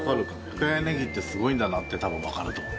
深谷ねぎってすごいんだなって多分わかると思う。